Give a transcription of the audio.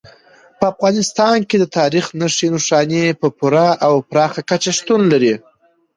په افغانستان کې د تاریخ نښې نښانې په پوره او پراخه کچه شتون لري.